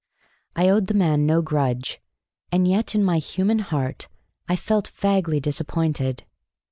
I owed the man no grudge, and yet in my human heart I felt vaguely disappointed.